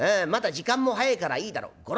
まだ時間も早いからいいだろう。